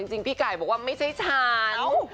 จริงพี่ไก่ไม่ใช่ฉัน